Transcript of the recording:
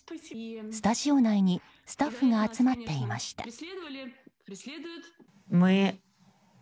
スタジオ内にスタッフが集まっていました。